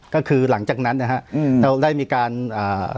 ก็คือหลังจากนั้นนะฮะอือเราได้มีการอ่าทำไม่ซือ